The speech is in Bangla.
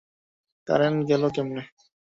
কারেন্ট গেলো কেমনে?